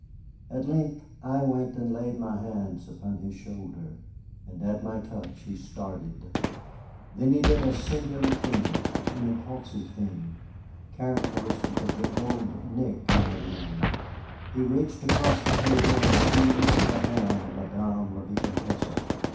At length I went and laid my hands upon his shoulder, and at my touch he started. Then he did a singular thing, an impulsive thing, characteristic of the old Nick I had known. He reached across the table and seized the hand of Madame la Vicomtesse.